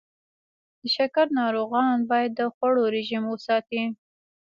د شکر ناروغان باید د خوړو رژیم وساتي.